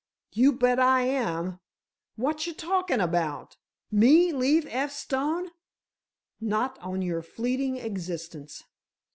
"You bet I am! Watcha talking about? Me leave F. Stone! Not on your fleeting existence!